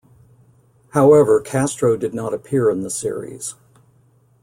However, Castro did not appear in the series.